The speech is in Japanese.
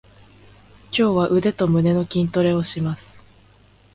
今日は腕と胸の筋トレをします。